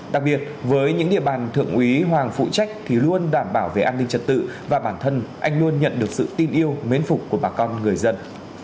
đặc biệt với những địa bàn thượng úy hoàng phụ trách thì luôn đảm bảo về an ninh trật tự và bản thân anh luôn nhận được sự tin yêu mến phục của bà con người dân